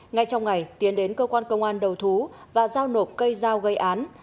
ngay trong ngày tiến đến cơ quan công an đầu thú và giao nộp cây dao gây án